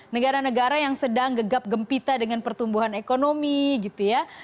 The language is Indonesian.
negara negara yang sedang gegap gempita dengan pertumbuhan ekonomi gitu ya